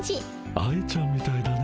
愛ちゃんみたいだね。